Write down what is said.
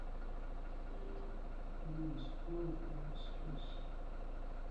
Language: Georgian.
ამ პერიოდის აღმოჩენებში მნიშვნელოვანია და ნაპოვნი ნივთების აღნიშვნა.